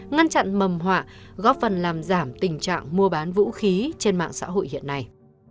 ngăn chặn mầm họa góp phần làm giảm tình trạng mua bán vũ khí trên mạng xã hội hiện nay